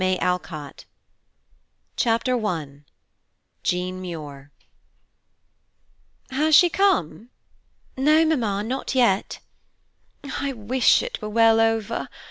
M. Barnard Chapter I JEAN MUIR "Has she come?" "No, Mamma, not yet." "I wish it were well over.